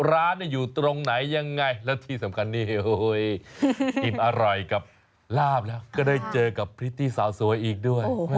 ร้านอยู่ตรงไหนยังไงและที่สำคัญนี่อิ่มอร่อยกับลาบแล้วก็ได้เจอกับพริตตี้สาวสวยอีกด้วย